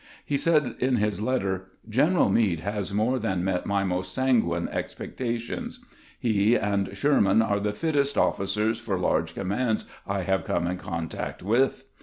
He said in his letter :" General Meade has more than met my most sanguine expectations. He and Sherman are the fittest officers for large commands I have come in contact with."